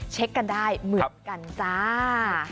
เช็คกันได้เหมือนกันจ้า